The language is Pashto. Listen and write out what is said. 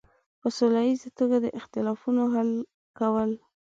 په سوله ییزه توګه د اختلافونو حل کول.